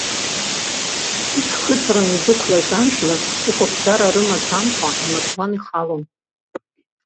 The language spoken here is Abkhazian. Ӡхыҵран идәықәлаз ажәлар, ҵыхәаԥҵәара рымаӡамкәа, амардуан ихалон.